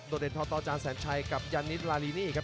โดดเดชน์ทอตอร์จานแสนชัยกับยานิลลาลีนี่ครับ